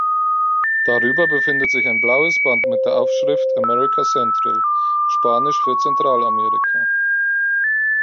Darüber befindet sich ein blaues Band mit der Aufschrift "America Central", spanisch für „Zentralamerika“.